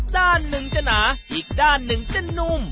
ด้านหนึ่งจะหนาอีกด้านหนึ่งจะนุ่ม